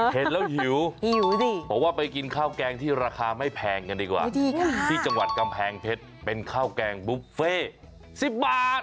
เห็นแล้วหิวหิวดิผมว่าไปกินข้าวแกงที่ราคาไม่แพงกันดีกว่าที่จังหวัดกำแพงเพชรเป็นข้าวแกงบุฟเฟ่๑๐บาท